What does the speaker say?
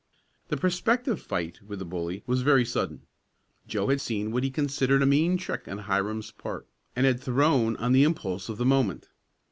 The prospective fight with the bully was very sudden. Joe had seen what he considered a mean trick on Hiram's part and had thrown on the impulse of the moment.